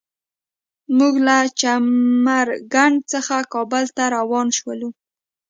موږ له چمر کنډ څخه کابل ته روان شولو.